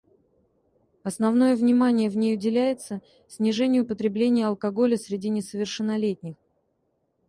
Основное внимание в ней уделяется снижению потребления алкоголя среди несовершеннолетних.